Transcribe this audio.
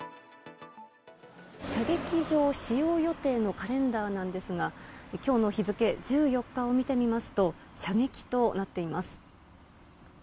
射撃場使用予定のカレンダーなんですが、きょうの日付１４日を見てみますと、射撃となっています。